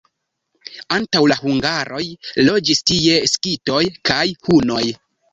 Antaŭ la hungaroj loĝis tie skitoj kaj hunoj.